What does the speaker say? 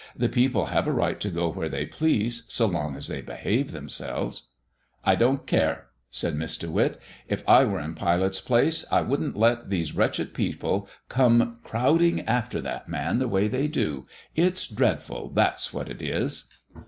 "The people have a right to go where they please, so long as they behave themselves." "I don't care," said Miss De Witt. "If I were in Pilate's place I wouldn't let these wretched people come crowding after that Man the way they do. It's dreadful; that's what it is."